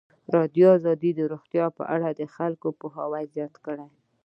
ازادي راډیو د روغتیا په اړه د خلکو پوهاوی زیات کړی.